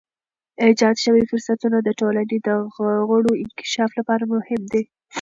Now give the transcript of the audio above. ایجاد شوی فرصتونه د ټولنې د غړو انکشاف لپاره مهم دي.